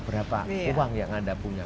berapa uang yang anda punya